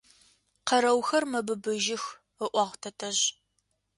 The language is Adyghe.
Къэрэухэр мэбыбыжьых, – ыӏуагъ тэтэжъ.